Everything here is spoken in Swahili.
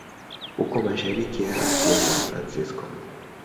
Uko mashariki ya rasi ya San Francisco.